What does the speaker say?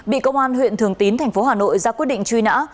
bị công an huyện thường tín tp hà nội ra quyết định truy nã